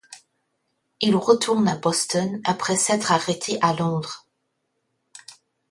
Il retourne à Boston après s’être arrêté à Londres.